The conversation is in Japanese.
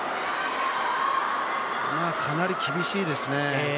かなり厳しいですね。